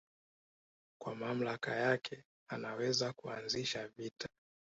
Kwa mamlaka yake anaweza kuanzisha vita